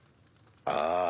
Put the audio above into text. ああ。